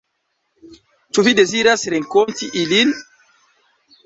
Ĉu vi deziras renkonti ilin?